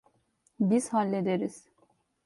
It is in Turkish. Biz hallederiz.